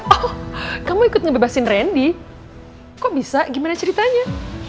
oh kamu ikut ngebebasin randy kok bisa gimana ceritanya